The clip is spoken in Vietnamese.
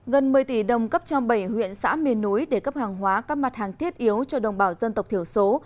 gần một mươi tỷ đồng cấp cho bảy huyện xã miền núi để cấp hàng hóa các mặt hàng thiết yếu cho đồng bào dân tộc thiểu số